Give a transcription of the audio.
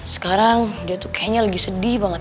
sekarang dia tuh kayaknya lagi sedih banget